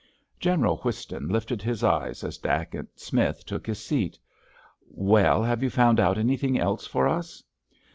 General Whiston lifted his eyes as Dacent Smith took his seat. "Well, have you found out anything else for us?"